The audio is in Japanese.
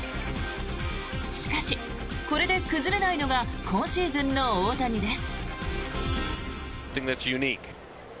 しかし、これで崩れないのが今シーズンの大谷です。